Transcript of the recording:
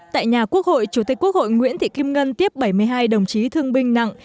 tại nhà quốc hội chủ tịch quốc hội nguyễn thị kim ngân tiếp bảy mươi hai đồng chí thương binh nặng